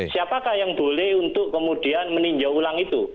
siapakah yang boleh untuk kemudian meninjau ulang itu